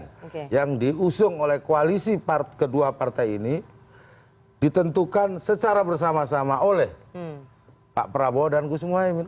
nah yang diusung oleh koalisi kedua partai ini ditentukan secara bersama sama oleh pak prabowo dan gus muhaymin